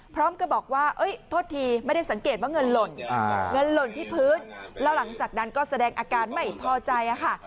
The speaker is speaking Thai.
พร้อมกับบอกว่าโทษทีไม่ได้สังเกตว่าเงินหล่นเงินหล่นที่พื้นแล้วหลังจากนั้นก็แสดงอาการไม่พอใจค่ะ